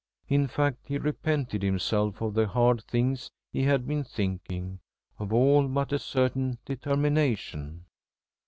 In fact, he repented himself of the hard things he had been thinking of all but a certain determination.